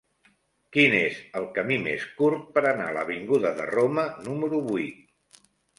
Quin és el camí més curt per anar a l'avinguda de Roma número vuit?